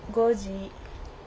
５時。